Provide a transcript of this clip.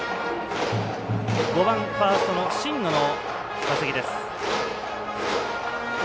５番ファーストの新野の打席です。